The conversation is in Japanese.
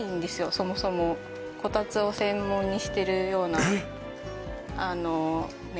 そもそもこたつを専門にしてるようなメーカーえっ！？